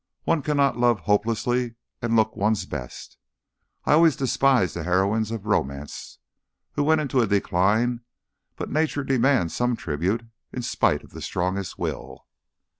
One cannot love hopelessly and look one's best. I always despised the heroines of romance who went into a decline, but Nature demands some tribute in spite of the strongest will."